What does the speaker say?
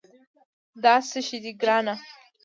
دا څه شي دي، ګرانه؟